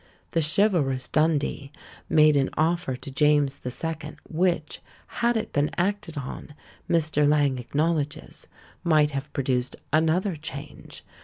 The chivalrous Dundee made an offer to James the Second, which, had it been acted on, Mr. Laing acknowledges, might have produced another change!